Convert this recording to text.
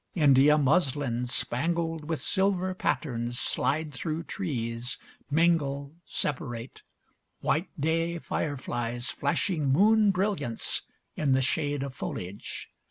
India muslins spangled with silver patterns slide through trees mingle separate white day fireflies flashing moon brilliance in the shade of foliage.